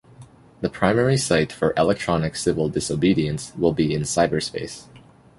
The primary site for Electronic Civil Disobedience will be in cyberspace.